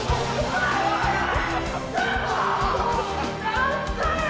何だよ